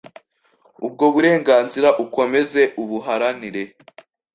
Ubwo burenganzira ukomeze ubuharanire